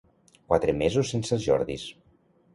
Quatre mesos sense els 'Jordis'.